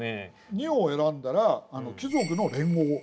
２を選んだら貴族の連合政権。